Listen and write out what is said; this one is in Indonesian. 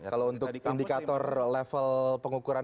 kalau untuk indikator level pengukuran